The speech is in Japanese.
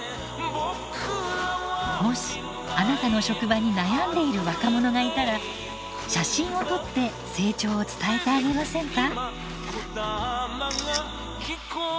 もしあなたの職場に悩んでいる若者がいたら写真を撮って成長を伝えてあげませんか？